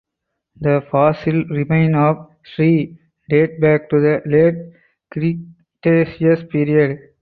The fossil remains of "Shri" date back to the Late Cretaceous period.